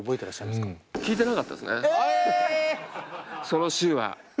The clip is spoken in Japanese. その週は。